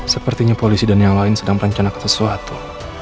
sepertinya polisi dan yang lain sedang merancang akan sesuatu